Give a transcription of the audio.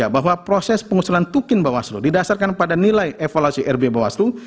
bahwa proses pengusulan tukin bawaslu didasarkan pada nilai evaluasi rb bawaslu